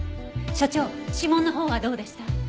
所長指紋のほうはどうでした？